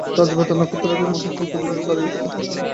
রাজভ্রাতা নক্ষত্ররায়ের মাথার চুল পর্যন্ত দাঁড়াইয়া উঠিল।